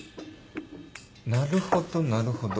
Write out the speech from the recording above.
なるほどなるほど。